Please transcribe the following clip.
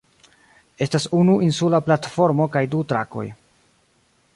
Estas unu insula platformo kaj du trakoj.